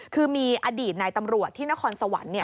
คือมีอดีตนายตำรวจที่นครสวรรค์